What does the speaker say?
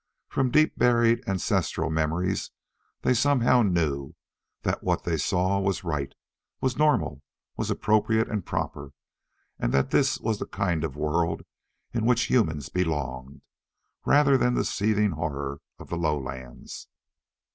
From deep buried ancestral memories they somehow knew that what they saw was right, was normal, was appropriate and proper, and that this was the kind of world in which humans belonged, rather than the seething horror of the lowlands.